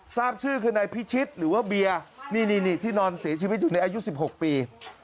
ทราบชื่อคือนายพิชิตหรือว่าเบียร์นี่ที่นอนเสียชีวิตอยู่ในอายุ๑๖ปี